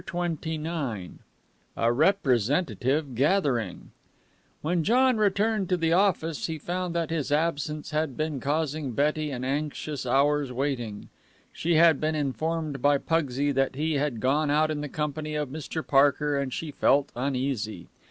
CHAPTER XXIX A REPRESENTATIVE GATHERING When John returned to the office, he found that his absence had been causing Betty an anxious hour's waiting. She had been informed by Pugsy that he had gone out in the company of Mr. Parker, and she felt uneasy.